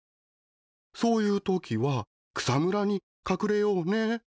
そういうときは草むらに隠れようね。